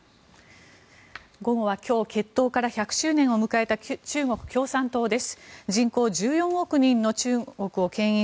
午後は今日結党から１００周年を迎えた中国共産党です。